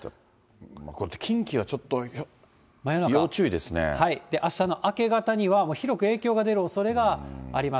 これ、近畿はちょっと、要注あしたの明け方には、もう広く影響が出るおそれがあります。